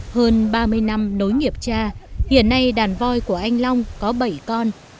hơn ba mươi năm nối nghiệp cha hiện nay đàn voi của anh long có bảy con